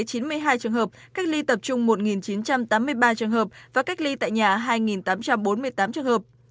trong đó ba mươi hai trường hợp cách ly tập trung một chín trăm tám mươi ba trường hợp và cách ly tại nhà hai tám trăm bốn mươi tám trường hợp